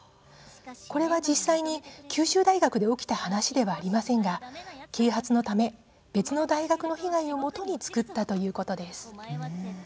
これは実際に九州大学で起きた話ではありませんが啓発のため、別の大学の被害をもとに作ったということです。